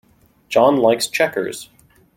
John likes checkers.